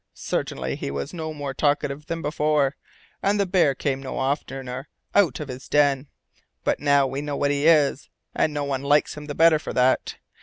Certainly, he was no more talkative than before, and the bear came no oftener out of his den! But now we know what he is, and no one likes him the better for that.